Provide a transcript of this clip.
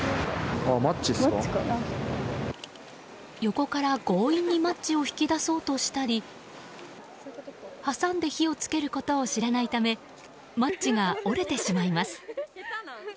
横から強引にマッチを引き出そうとしたり挟んで火を付けることを知らないためマッチが折れてしまいます。